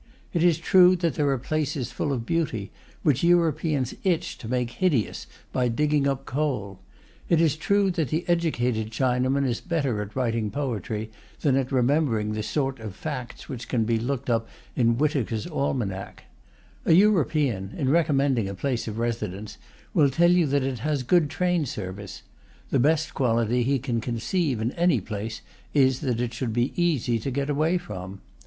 It is true that there are places full of beauty, which Europeans itch to make hideous by digging up coal. It is true that the educated Chinaman is better at writing poetry than at remembering the sort of facts which can be looked up in Whitaker's Almanac. A European, in recommending a place of residence, will tell you that it has a good train service; the best quality he can conceive in any place is that it should be easy to get away from.